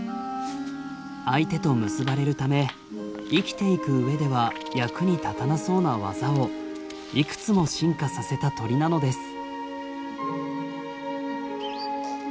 相手と結ばれるため生きていく上では役に立たなそうな技をいくつも進化させた鳥なのです。